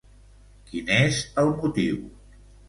Quin és el motiu?